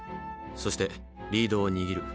そしてリードを握る。